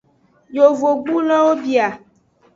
Yovogbulowo bia.